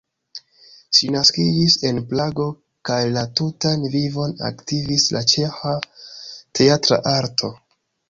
Ŝi naskiĝis en Prago kaj la tutan vivon aktivis en ĉeĥa teatra arto.